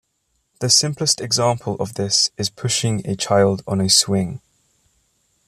The simplest example of this is pushing a child on a swing.